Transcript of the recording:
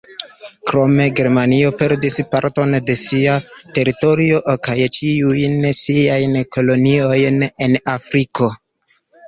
Krome Germanio perdis parton de sia teritorio kaj ĉiujn siajn koloniojn en Afriko.